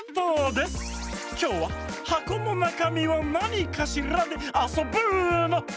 きょうは「はこのなかみはなにかしら？」であそぶの！